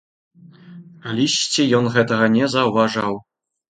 Калісьці ён гэтага не заўважаў.